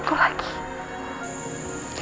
kamu harus bahagia